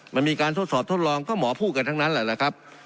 มันมีการทดสอบทดลองก็หมอพูดกันทั้งนั้นแหละครับ